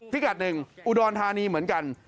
กัดหนึ่งอุดรธานีเหมือนกัน